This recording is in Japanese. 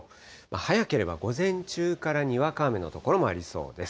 早ければ午前中からにわか雨の所もありそうです。